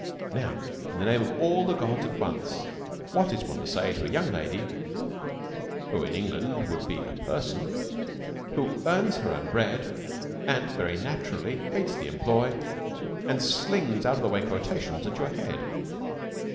Now, in the name of all the gods at once, what is one to say to a young lady (who in England would be a person) who earns her own bread, and very naturally hates the employ, and slings out of the way quotations at your head?